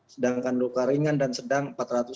sedangkan luka ringan dan sedang empat ratus sembilan puluh